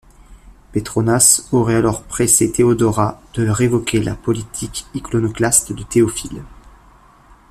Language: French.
Petronas aurait alors pressé Théodora de révoquer la politique iconoclaste de Théophile.